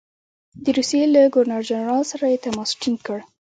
د روسیې له ګورنر جنرال سره یې تماس ټینګ کړ.